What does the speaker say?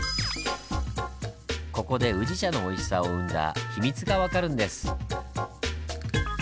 ここで宇治茶のおいしさを生んだ秘密が分かるんです。